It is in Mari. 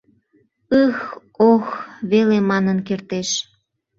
— Ых-х... ох-х, — веле манын кертеш.